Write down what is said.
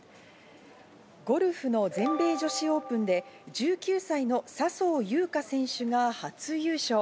ゴルフの全米女子オープンで、１９歳の笹生優花選手が初優勝。